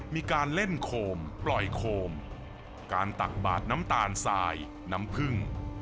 มีการเล่นโคมปล่อยโคมการตักบาดน้ำตาลทรายน้ำผึ้ง